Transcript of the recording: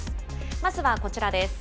まずはこちらです。